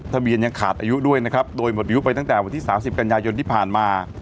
ยังขาดอายุด้วยนะครับโดยหมดอายุไปตั้งแต่วันที่๓๐กันยายนที่ผ่านมา